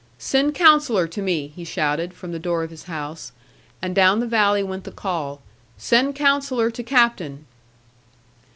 Send Counsellor to me,' he shouted, from the door of his house; and down the valley went the call, 'Send Counsellor to Captain.'